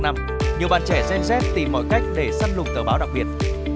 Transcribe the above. nhiều bạn trẻ xem xét tìm mọi cách để săn lùng tờ báo đặc biệt